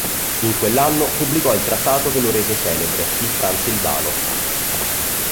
In quell'anno pubblicò il trattato che lo rese celebre: "Il Transilvano.